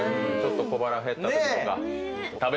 小腹減ったときとか。